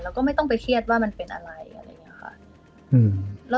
แล้วก็ไม่ต้องไปเครียดว่ามันเป็นอะไรอะไรอย่างนี้ค่ะ